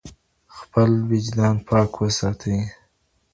خپل وجدان پاک وساتئ.